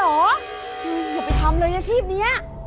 อย่าไปทำเลยอย่างงี้